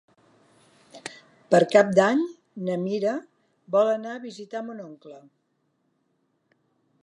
Per Cap d'Any na Mira vol anar a visitar mon oncle.